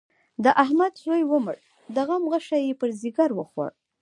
د احمد زوی ومړ؛ د غم غشی يې پر ځيګر وخوړ.